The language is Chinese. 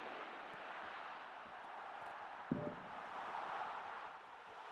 结果是葡萄糖的降解被抑制。